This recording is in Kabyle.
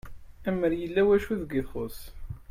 Amer yella wacu deg i txuss